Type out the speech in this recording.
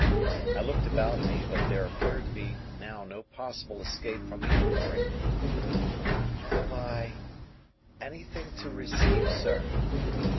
I looked about me, but there appeared to be now no possible escape from the inquiry, "Have I—anything to receive, sir?"